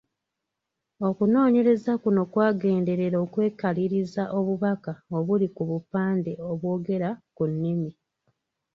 Okunoonyereza kuno kwagenderera okwekaliriza obubaka obuli ku bupande obwogera ku nnimi.